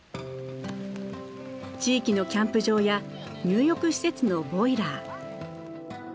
地域のキャンプ場や入浴施設のボイラー。